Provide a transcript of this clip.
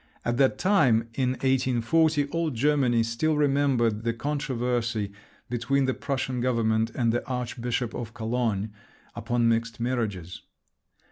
(At that time, in 1840, all Germany still remembered the controversy between the Prussian Government and the Archbishop of Cologne upon mixed marriages.)